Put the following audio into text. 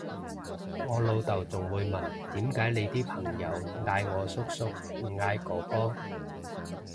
我老豆仲會問點解你啲朋友嗌我叔叔唔嗌哥哥？